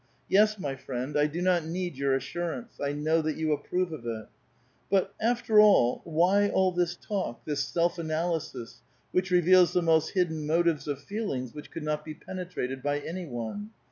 Yes, my friend, I do not need your assurance ; I know that you approve of it. But after all, why all this talk, this self anahsis, which reveals the most hidden motives of feelings which could not be penetrated by any one?